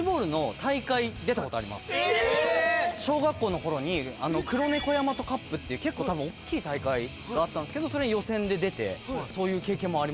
えーっ！小学校の頃にクロネコヤマトカップっていう結構多分おっきい大会があったんですけどそれ予選で出てそういう経験もありますから。